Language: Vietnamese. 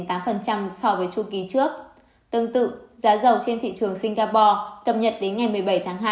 tương tự giá dầu trên thị trường singapore cập nhật đến ngày một mươi bảy tháng hai